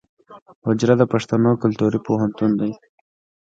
حجره د پښتنو کلتوري پوهنتون دی.